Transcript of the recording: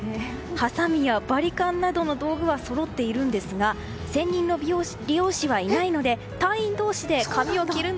はさみやバリカンなどの道具はそろっているんですが専任の理容師はいないので隊員同士でお見事！